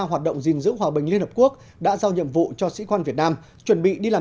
hoạt động gìn giữ hòa bình liên hợp quốc đã giao nhiệm vụ cho sĩ quan việt nam chuẩn bị đi làm